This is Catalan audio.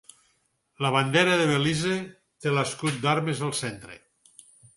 La bandera de Belize té l'escut d'armes al centre.